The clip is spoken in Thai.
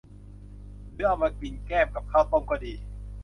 หรือเอามากินแกล้มกับข้าวต้มก็ดี